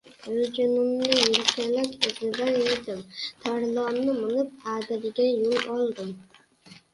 Xurjunimi yelkalab, izidan yurdim. Tarlonni minib, adirga yo‘l oldim.